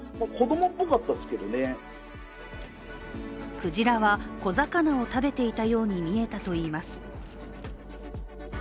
くじらは小魚を食べていたように見えたといいます。